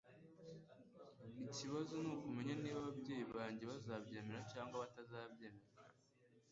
Ikibazo nukumenya niba ababyeyi banjye bazabyemera cyangwa batabyemera.